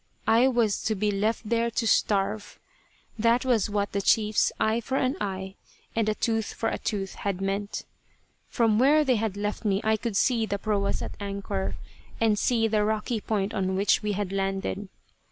I was to be left there to starve. That was what the chief's "eye for an eye and a tooth for a tooth" had meant. From where they had left me I could see the proas at anchor, and see the rocky point on which we had landed.